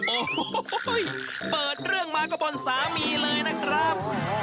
โอ้โหเปิดเรื่องมาก็บนสามีเลยนะครับ